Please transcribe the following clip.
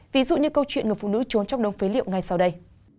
ví dụ như câu chuyện người phụ nữ trốn trong đông phế liệu ngay sau đây